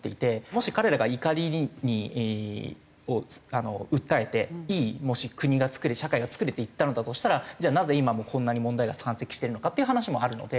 もし彼らが怒りを訴えていい国が作れて社会が作れていったのだとしたらじゃあなぜ今もこんなに問題が山積してるのかっていう話もあるので。